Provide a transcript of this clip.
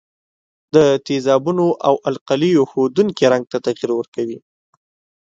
د تیزابونو او القلیو ښودونکي رنګ ته تغیر ورکوي.